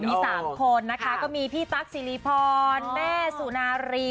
มี๓คนนะคะก็มีพี่ตั๊กสิริพรแม่สุนารี